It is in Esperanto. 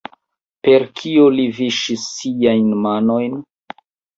Per kio li viŝis siajn manojn?